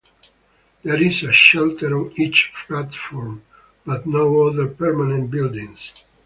There is a shelter on each platform, but no other permanent buildings.